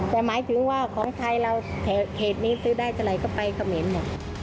แต่หมายถึงว่าของไทยเราเขตนี้ซื้อได้เท่าไหร่ก็ไปเขมรหมด